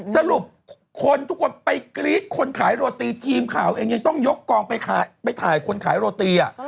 สรุปคนทุกคนไปกรี๊ดคนขายโรตีทีมข่าวเองยังต้องยกกองไปถ่ายคนขายโรตี